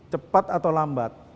cepat atau lambat